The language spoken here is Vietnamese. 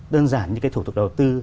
đơn giản như cái thủ tục đầu tư